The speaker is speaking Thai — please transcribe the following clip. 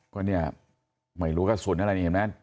ก็เนี่ยไม่รู้กระสุนอะไรเนี่ยเมฆ